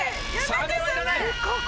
サメはいらない。